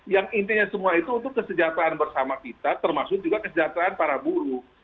yang intinya semua itu untuk kesejahteraan bersama kita termasuk juga kesejahteraan para buruh